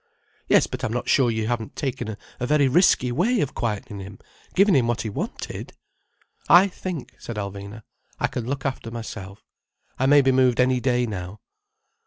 "Yes, but I'm not sure you haven't taken a very risky way of quietening him, giving him what he wanted—" "I think," said Alvina, "I can look after myself. I may be moved any day now."